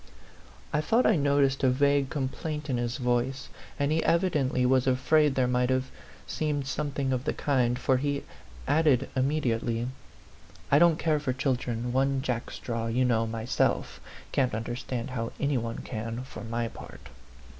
I thought I noticed a vague complaint in his voice ; and he evidently was afraid there might have seemed something of the kind, for he added, immediately "I don't care for children one jackstraw, you know, myself; can't understand how any one can, for my part."